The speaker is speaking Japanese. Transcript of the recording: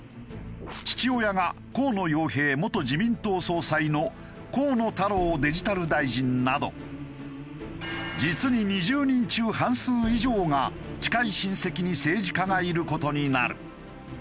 父親が河野洋平元自民党総裁の河野太郎デジタル大臣など実に２０人中半数以上が近い親戚に政治家がいる事になる。